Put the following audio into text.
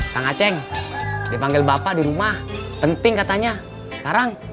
kang ceng dipanggil bapak dirumah penting katanya sekarang